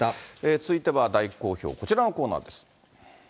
続いては大好評、こちらのコーナーです。